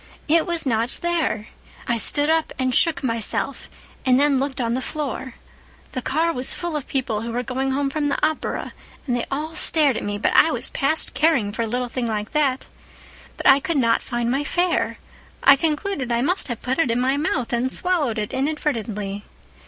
It was not there. I stood up and shook myself, and then looked on the floor. The car was full of people, who were going home from the opera, and they all stared at me, but I was past caring for a little thing like that. "But I could not find my fare. I concluded I must have put it in my mouth and swallowed it inadvertently.